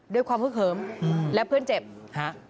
ด้วยความเผื่อเขิมอืมแล้วเพื่อนเจ็บฮะ